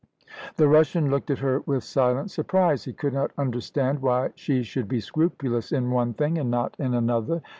The Russian looked at her with silent surprise. He could not understand why she should be scrupulous in one thing and not in another.